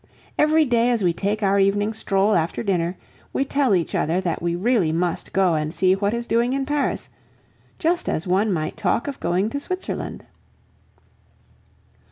Every day as we take our evening stroll after dinner, we tell each other that we really must go and see what is doing in Paris, just as one might talk of going to Switzerland.